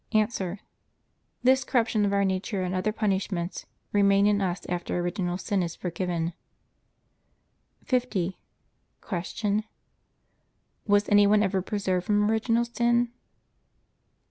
A. This corruption of our nature and other punishments remain in us after original sin is forgiven. 50. Q. Was any one ever preserved from original sin?